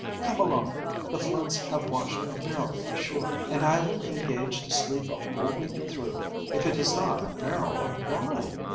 Come along; the floods have washed a barrel ashore, and I will engage to sleep a whole week through if it is not a barrel of wine!"